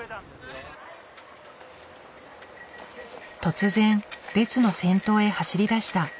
突然列の先頭へ走りだした。